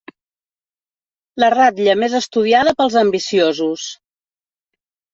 La ratlla més estudiada pels ambiciosos.